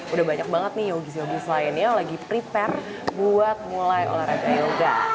udah banyak banget nih yogi showbiz lainnya yang lagi prepare buat mulai olahraga yoga